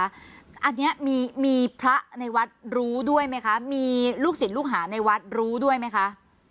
อันนี้มีพระในวัดรู้ด้วยไหมคะมีลูกศิษย์ลูกหาในวัดรู้ด้วยไหมคะ